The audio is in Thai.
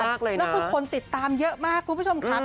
แล้วคือคนติดตามเยอะมากคุณผู้ชมครับ